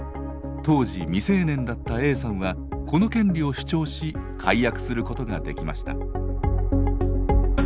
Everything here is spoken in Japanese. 当時未成年だったＡさんはこの権利を主張し解約することができました。